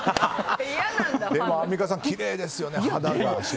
アンミカさん、きれいですよね